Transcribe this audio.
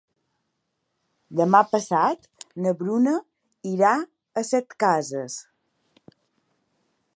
Demà passat na Bruna irà a Setcases.